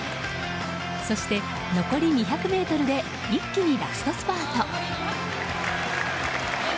そして、残り２００ｍで一気にラストスパート。